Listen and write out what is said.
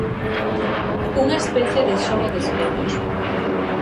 Unha especie de xogo de espellos.